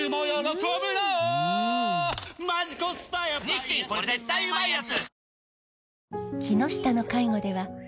「日清これ絶対うまいやつ」